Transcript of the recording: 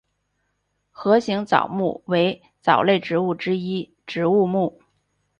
盒形藻目为藻类植物之一植物目。